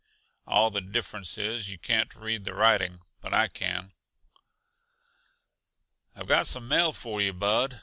All the difference is, you can't read the writing; but I can." "I've got some mail for yuh, Bud.